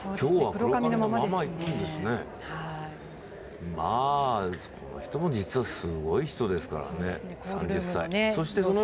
この人も実はすごい人ですからね、３０歳。